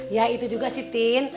ya itu juga sih tin